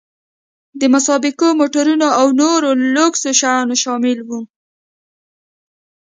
د مسابقو موټرونه او نور لوکس شیان شامل وو.